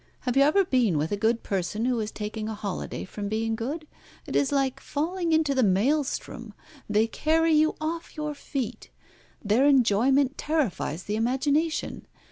Have you ever been with a good person who is taking a holiday from being good? It is like falling into the Maelstrom. They carry you off your feet. Their enjoyment terrifies the imagination.